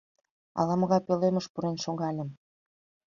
Ала-могай пӧлемыш пурен шогальым.